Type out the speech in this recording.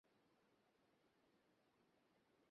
আপনার চেয়ে অনেক ছোট আমি।